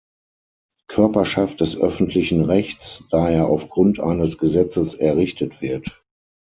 Körperschaft des öffentlichen Rechts, da er auf Grund eines Gesetzes errichtet wird.